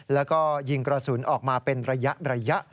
แล้วก็ยิงกระสุนออกมาเป็นระยะ